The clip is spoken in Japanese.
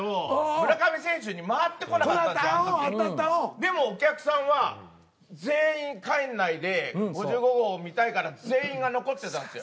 でもお客さんは全員帰んないで５５号を観たいから全員が残ってたんですよ。